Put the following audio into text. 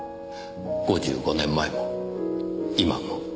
５５年前も今も。